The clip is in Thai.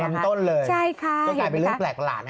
จ้างลำต้นเลยต้นต่างเป็นเรื่องแปลกกระหลาดนะครับใช่ไหมคะ